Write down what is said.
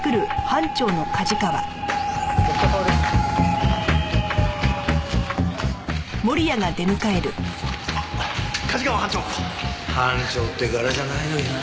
班長って柄じゃないのにな。